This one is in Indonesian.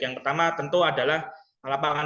yang pertama tentu adalah lapangan